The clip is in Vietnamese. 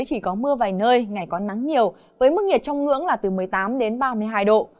chỉ có mưa vài nơi ngày có nắng nhiều với mức nhiệt trong ngưỡng là từ một mươi tám đến ba mươi hai độ